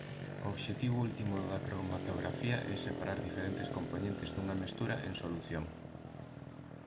O obxectivo último da cromatografía é separar diferentes compoñentes dunha mestura en solución.